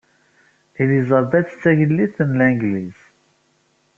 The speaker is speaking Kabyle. Elizabeth d Tagellid n Langliz.